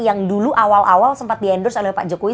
yang dulu awal awal sempat di endorse oleh pak jokowi